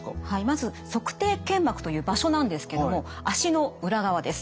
まず足底腱膜という場所なんですけども足の裏側です。